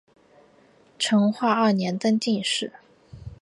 成化二年登进士。